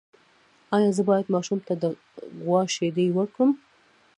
ایا زه باید ماشوم ته د غوا شیدې ورکړم؟